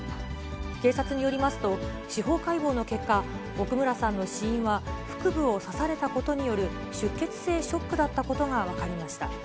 警察によりますと、司法解剖の結果、奥村さんの死因は、腹部を刺されたことによる出血性ショックだったことが分かりました。